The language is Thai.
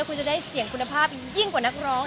คุณจะได้เสียงคุณภาพยิ่งกว่านักร้อง